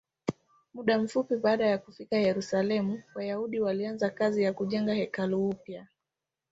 Muda mfupi baada ya kufika Yerusalemu, Wayahudi walianza kazi ya kujenga hekalu upya.